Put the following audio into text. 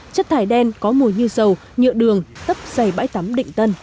chất thải đen có mùi như dầu nhựa đường tấp dày bãi tắm định tân